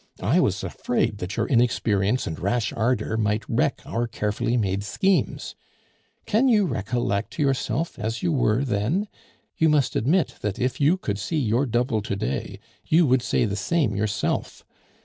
I was afraid that your inexperience and rash ardor might wreck our carefully made schemes. Can you recollect yourself as you were then? You must admit that if you could see your double to day, you would say the same yourself.